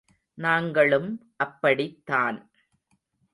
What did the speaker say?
நாங்களும் அப்படித் தான்.